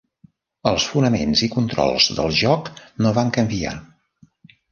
Els fonaments i controls del joc no van canviar.